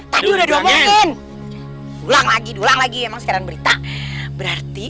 saya anggap sebagai anak sendiri